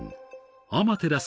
アマテラス